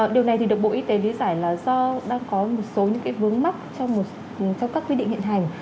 điều này được bộ y tế lý giải là do đang có một số những vướng mắt trong các quy định hiện hành